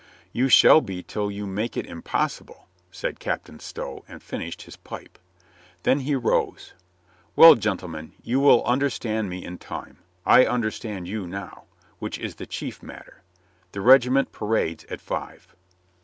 "You shall be till you make it impossible," said Colonel Stow and finished his pipe ... Then he rose. "Well, gentlemen, you will understand me in time. I understand you now, which is the chief matter. The regiment parades at five."